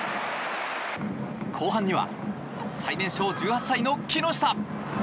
後半には最年少１８歳の木下。